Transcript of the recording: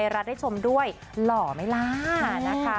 รัฐได้ชมด้วยหล่อไหมล่ะนะคะ